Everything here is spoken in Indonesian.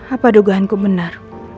apa dogahanku benar